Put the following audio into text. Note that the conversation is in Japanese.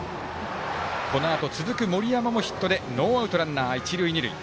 このあと、続く森山もヒットでノーアウト、ランナー、一塁二塁。